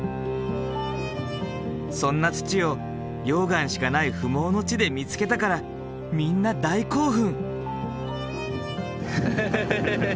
そんな土を溶岩しかない不毛の地で見つけたからみんな大興奮。